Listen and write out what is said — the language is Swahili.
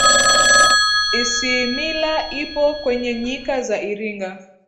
isimila ipo kwenye nyika za iringa